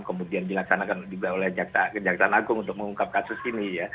kemudian dilaksanakan juga oleh kejaksaan agung untuk mengungkap kasus ini ya